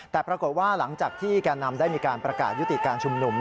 แต่ปรากฏว่าหลังจากที่แก่นำได้มีการประกาศยุติการชุมนุม